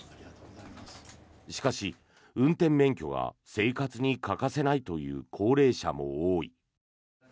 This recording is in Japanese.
しかし、運転免許が生活に欠かせないという高齢者も多い。